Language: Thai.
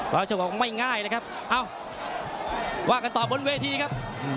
บางช่วงบอกว่าไม่ง่ายนะครับเอ้าว่ากันต่อบนเวทีครับ